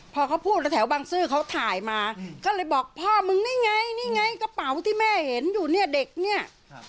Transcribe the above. พอเขาพูดแล้วแถวบังซื้อเขาถ่ายมาก็เลยบอกพ่อมึงนี่ไงนี่ไงกระเป๋าที่แม่เห็นอยู่เนี่ยเด็กเนี่ย